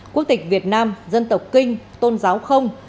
quốc tịch việt nam dân tộc kinh tôn giáo không